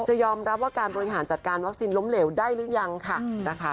จะยอมรับว่าการบริหารจัดการวัคซีนล้มเหลวได้หรือยังค่ะนะคะ